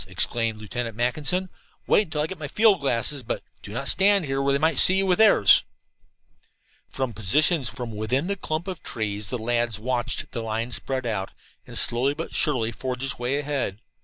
exclaimed Lieutenant Mackinson. "Wait until I get my field glasses, but do not stand where they might see you with theirs." From positions within the clump of trees the lads watched the line spread out and slowly but surely forge its way ahead.